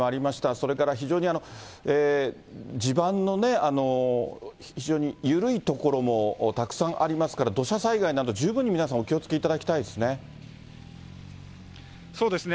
それから非常に地盤の非常に緩い所もたくさんありますから、土砂災害など、十分に皆さんお気をつけいただきたいですね。